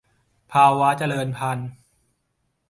ภาวะเจริญพันธุ์